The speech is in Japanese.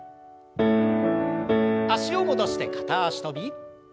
脚を戻して片脚跳び。